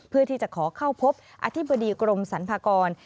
เพื่อที่จะขอเข้าพบอธิบดีกรมสรรพากร